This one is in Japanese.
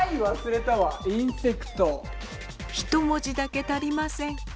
１文字だけ足りません。